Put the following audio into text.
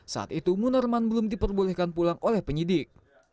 saat itu munarman belum diperbolehkan pulang oleh penyidik